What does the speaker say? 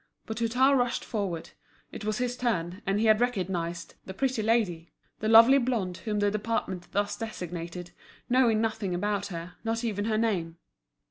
But Hutin rushed forward, it was his turn, and he had recognised "the pretty lady," the lovely blonde whom the department thus designated, knowing nothing about her, not even her name.